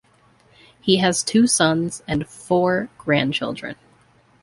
He has two sons and four grandchildren.